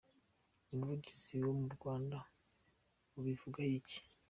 Ubuvuzi rwo mu Rwanda bubivugaho iki?.